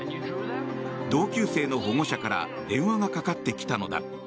同級生の保護者から電話がかかってきたのだ。